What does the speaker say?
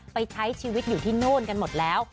ไปใช้ชีวิตอยู่ที่โน่นกันหมดแล้ว